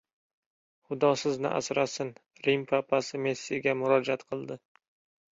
"Xudo sizni asrasin": Rim papasi Messiga murojaat qildi